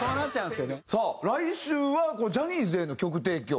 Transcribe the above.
さあ来週はジャニーズへの曲提供。